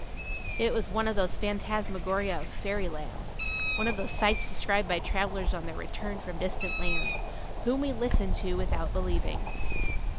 It was one of those phantasmagoria of fairyland, one of those sights described by travellers on their return from distant lands, whom we listen to without believing.